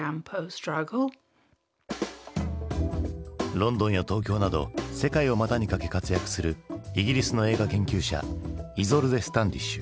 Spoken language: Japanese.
ロンドンや東京など世界を股にかけ活躍するイギリスの映画研究者イゾルデ・スタンディッシュ。